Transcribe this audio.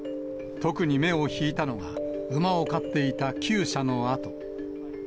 特に目を引いたのが、馬を飼っていた、きゅう舎の跡。